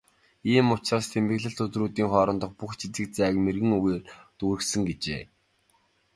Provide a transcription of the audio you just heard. "Ийм ч учраас тэмдэглэлт өдрүүдийн хоорондох бүх жижиг зайг мэргэн үгээр дүүргэсэн" гэжээ.